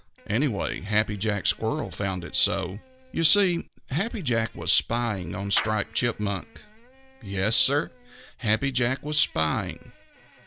Anyway, Happy Jack Squirrel found it so. You see, Happy Jack was spying on Striped Chipmunk. Yes, Sir, Happy Jack was spying.